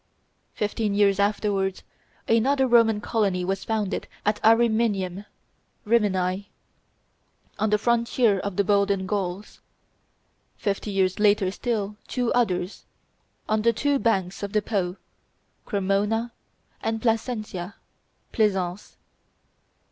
Fifteen years afterwards another Roman colony was founded at Ariminum (Rimini), on the frontier of the Bolan Gauls. Fifty years later still two others, on the two banks of the Po, Cremona and Placentia (Plaisance).